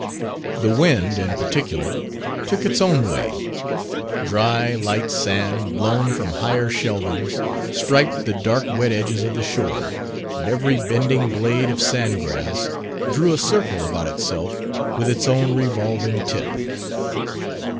The wind, in particular, took its own way: dry light sand, blown from higher shelvings, striped the dark wet edges of the shore; and every bending blade of sandgrass drew a circle about itself with its own revolving tip.